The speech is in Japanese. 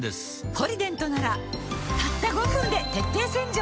「ポリデント」ならたった５分で徹底洗浄